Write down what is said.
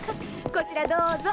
こちらどうぞ。